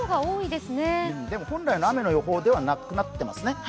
でも本来の雨の予想ではなくなってますね。